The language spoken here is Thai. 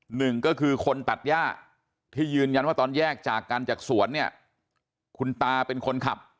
หนึ่งก็คือคนตัดย่าที่ยืนยันว่าตอนแยกจากกันจากสวนเนี่ยคุณตาเป็นคนขับ